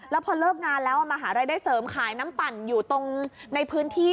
แล้วพอเลิกงานแล้วมาหารายได้เสริมขายน้ำปั่นอยู่ตรงในพื้นที่